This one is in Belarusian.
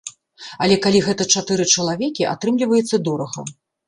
Але калі гэта чатыры чалавекі, атрымліваецца дорага.